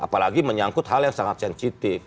apalagi menyangkut hal yang sangat sensitif